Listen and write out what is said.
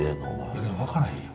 いやでも分からへんやん。